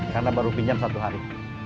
karena baru pinjam satu hari